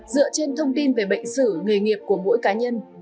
dựa trên thông tin về bệnh sử nghề nghiệp của mỗi cá nhân